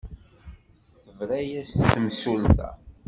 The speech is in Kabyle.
Tebra-as-d temsulta.